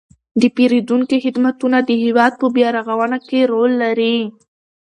د پیرودونکو خدمتونه د هیواد په بیارغونه کې رول لري.